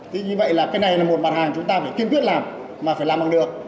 thế như vậy là cái này là một mặt hàng chúng ta phải kiên quyết làm mà phải làm bằng được